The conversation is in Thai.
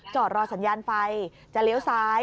จอดรอสัญญาณไฟจะเลี้ยวซ้าย